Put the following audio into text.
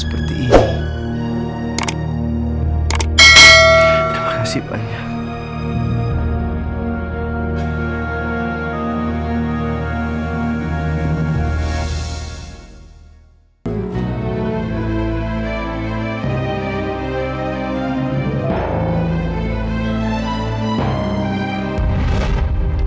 terima kasih banyak